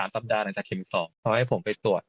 สัปดาห์หลังจากเข็ม๒เขาให้ผมไปตรวจ